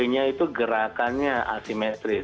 nya itu gerakannya asimetris